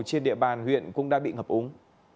trên địa bàn huyện cũng đã bị ngập úng